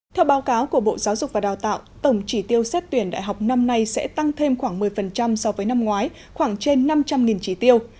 theo báo cáo của bộ giáo dục và đào tạo tổng trí tiêu xét tuyển đại học năm nay sẽ tăng thêm khoảng một mươi so với năm ngoái khoảng trên năm trăm linh trí tiêu